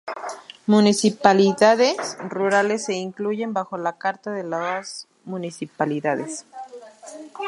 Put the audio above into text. Municipalidades rurales se incluyen bajo "La carta de las municipalidades".